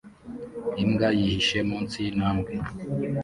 Imbwa yihishe munsi yintambwe